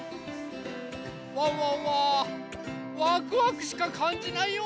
ワンワンはワクワクしかかんじないよ！